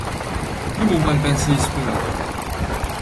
Liem huma l-bands li jispirawkom?